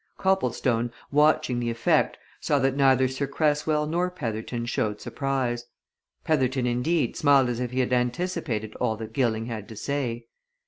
Copplestone, watching the effect, saw that neither Sir Cresswell nor Petherton showed surprise. Petherton indeed, smiled as if he had anticipated all that Gilling had to say.